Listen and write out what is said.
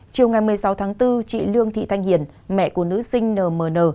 chiều ngày một mươi sáu tháng bốn chị lương thị thanh hiển mẹ của nữ sinh nmn